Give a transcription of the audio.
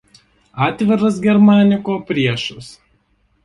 Atviras Germaniko priešas.